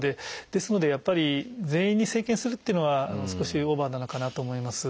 ですのでやっぱり全員に生検するっていうのは少しオーバーなのかなと思います。